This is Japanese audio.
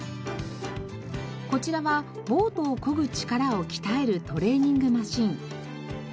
こちらはボートをこぐ力を鍛えるトレーニングマシン。